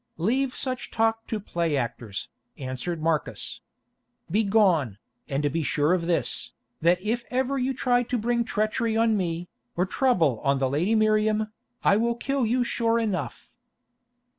"Leave such talk to play actors," answered Marcus. "Begone, and be sure of this—that if ever you try to bring treachery on me, or trouble on the lady Miriam, I will kill you sure enough."